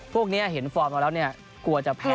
พวกนี้เห็นฟอร์มมาแล้วเนี่ยกลัวจะแพ้